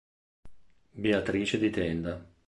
Beatrice di Tenda